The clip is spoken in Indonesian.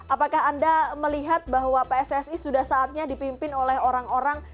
apakah anda melihat bahwa pssi sudah saatnya dipimpin oleh orang orang